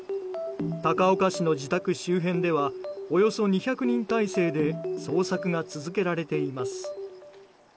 高岡市の自宅周辺ではおよそ２００人態勢で捜索が続けられています。